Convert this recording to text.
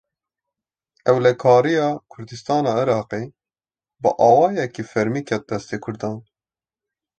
Ewlekariya Kurdistana Iraqê, bi awayekî fermî ket destê Kurdan